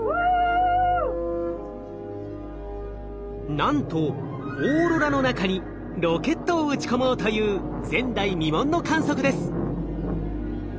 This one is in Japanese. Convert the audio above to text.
なんとオーロラの中にロケットを打ち込もうという前代未聞の観測です。